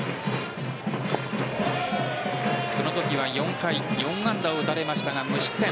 そのときは４回４安打を打たれましたが無失点。